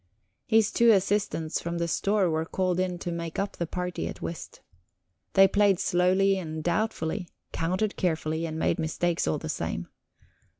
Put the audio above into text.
His two assistants from the store were called in to make up the party at whist. They played slowly and doubtfully, counted carefully, and made mistakes all the same.